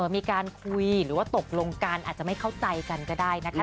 มีการคุยหรือว่าตกลงกันอาจจะไม่เข้าใจกันก็ได้นะคะ